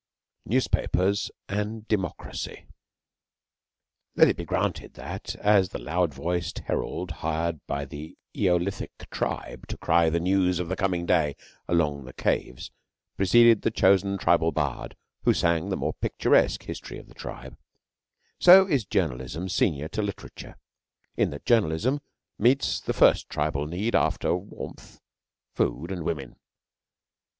NEWSPAPERS AND DEMOCRACY Let it be granted that, as the loud voiced herald hired by the Eolithic tribe to cry the news of the coming day along the caves, preceded the chosen Tribal Bard who sang the more picturesque history of the tribe, so is Journalism senior to Literature, in that Journalism meets the first tribal need after warmth, food, and women.